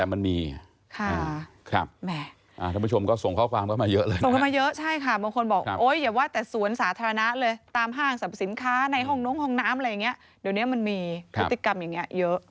ไม่คิดว่าแบบสวนลุมไม่น่าจะมี